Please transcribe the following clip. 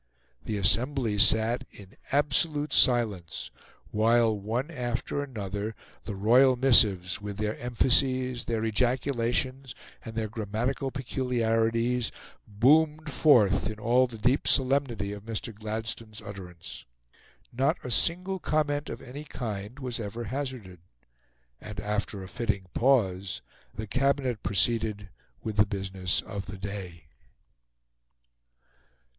The assembly sat in absolute silence while, one after another, the royal missives, with their emphases, their ejaculations, and their grammatical peculiarities, boomed forth in all the deep solemnity of Mr. Gladstone's utterance. Not a single comment, of any kind, was ever hazarded; and, after a fitting pause, the Cabinet proceeded with the business of the day.